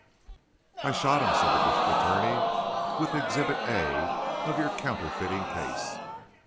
"I shot him," said the district attorney, "with Exhibit A of your counterfeiting case.